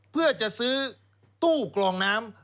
เพื่อจะซื้อตู้กรองน้ำ